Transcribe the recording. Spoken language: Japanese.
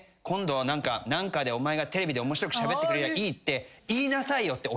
今度何かでお前がテレビで面白くしゃべってくれりゃいいっていいなさいよ」